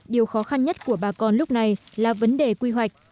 điều khó khăn nhất của bà con lúc này là vấn đề quy hoạch